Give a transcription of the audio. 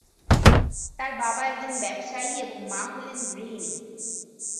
তার বাবা একজন ব্যবসায়ী এবং মা হলেন গৃহিণী।